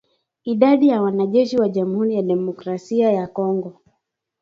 Idadi ya wanajeshi wa jamhuri ya kidemokrasia ya Kongo